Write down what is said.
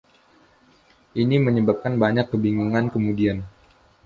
Ini menyebabkan banyak kebingungan kemudian.